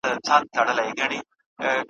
یوې لمبې به سوځولی یمه ,